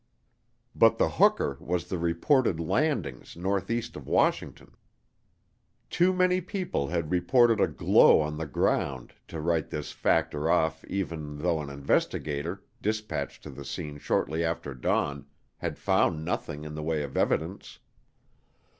But the hooker was the reported landings northeast of Washington. Too many people had reported a glow on the ground to write this factor off even though an investigator, dispatched to the scene shortly after dawn, had found nothing in the way of evidence.